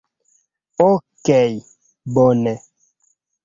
Okej' bone.